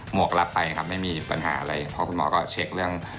วกรับไปครับไม่มีปัญหาอะไรเพราะคุณหมอก็เช็คเรื่อง